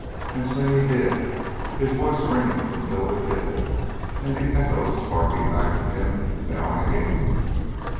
And sing he did, his voice ringing from hill to hill, and the echoes barking back to him, now and again.